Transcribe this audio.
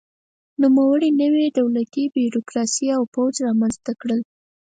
نوموړي نوې دولتي بیروکراسي او پوځ رامنځته کړل.